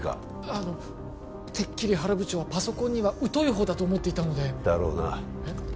あのてっきり原部長はパソコンには疎いほうだと思っていたのでだろうなえっ？